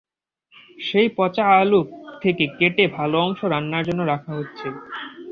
সেই পচা আলু থেকে কেটে ভালো অংশ রান্নার জন্য রাখা হচ্ছে।